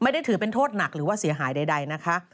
ถือเป็นโทษหนักหรือว่าเสียหายใดนะคะ